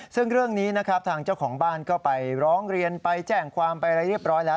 ซึ่งเรื่องนี้นะครับทางเจ้าของบ้านก็ไปร้องเรียนไปแจ้งความไปอะไรเรียบร้อยแล้ว